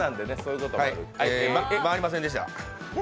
回りませんでした。